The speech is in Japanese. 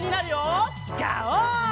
ガオー！